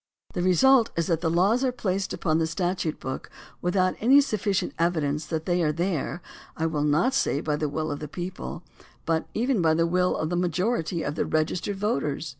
The result is that laws are placed upon the statute book without any sufficient evidence that they are there — I will not say by the will of the people, but even by the will of the majority of the registered voters.